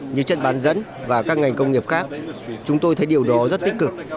như trận bán dẫn và các ngành công nghiệp khác chúng tôi thấy điều đó rất tích cực